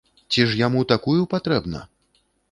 Ці ж яму такую патрэбна?